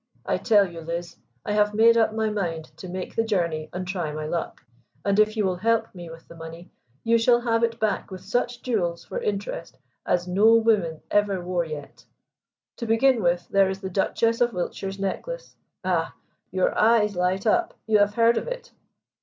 I tell you, Liz, I have made up my mind to make the journey and try my luck, and, if you will help me with the money, you shall have it back with such jewels, for interest, as no woman ever wore yet. To begin with, there is the Duchess of Wiltshire's necklace. Ah, your eyes light up; you have heard of it?"